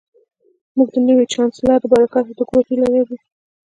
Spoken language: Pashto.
موږ د نوي چانسلر له برکته د کور هیله لرو